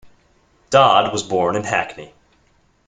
Dodd was born in Hackney.